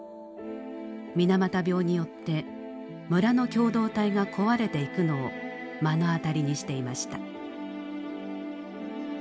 水俣病によって村の共同体が壊れていくのを目の当たりにしていました。